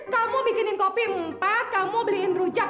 kamu bikinin kopi empat kamu beliin rujak